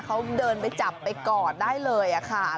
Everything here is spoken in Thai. เขาเดินไปจับไปกอดได้เลยค่ะ